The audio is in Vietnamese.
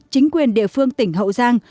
chính quyền địa phương tỉnh hậu giang